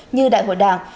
như đại hội đảng